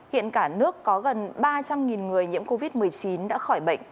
hiện cả nước có gần ba trăm linh người nhiễm covid một mươi chín đã khỏi bệnh